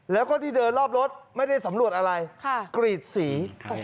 แล้วก็ที่เดินรอบรถไม่ได้สำรวจอะไรกรีดสี